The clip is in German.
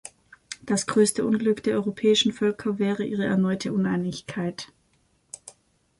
Das größte Unglück der europäischen Völker wäre ihre erneute Uneinigkeit.